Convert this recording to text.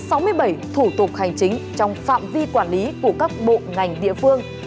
và công khai hai trăm sáu mươi bảy thủ tục hành chính trong phạm vi quản lý của các bộ ngành địa phương